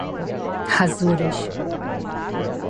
rasuras